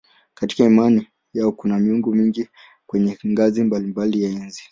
Katika imani yao kuna miungu mingi kwenye ngazi mbalimbali ya enzi.